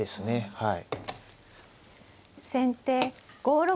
はい。